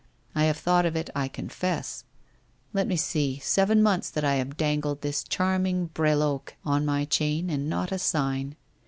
I have thought of it, I confess. Let me see, seven months that I have dangled this charming brSloque on my chain, and not a sign!